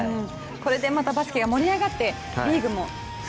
またバスケが盛り上がってリーグも。